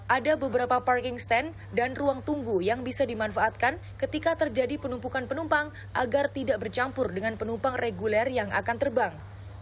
ada beberapa parking stand dan ruang tunggu yang bisa dimanfaatkan ketika terjadi penumpukan penumpang agar tidak bercampur dengan penumpang reguler yang akan terbang